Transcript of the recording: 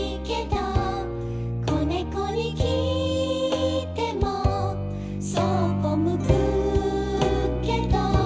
「子猫にきいてもそっぽ向くけど」